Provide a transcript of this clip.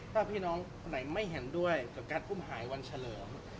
ถ้าพี่น้องคนไหนไม่เห็นด้วยกับการอุ้มหายวันเฉลิม